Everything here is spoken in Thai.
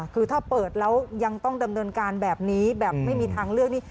คือถ้าเปิดแล้วยังต้องดำเนินการแบบนี้แบบไม่มีทางเลือกนี่